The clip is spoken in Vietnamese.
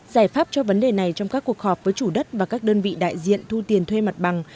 giải pháp cho vấn đề này trong các cuộc họp với chủ đất và các đơn vị đại diện thu tiền thuê mặt bằng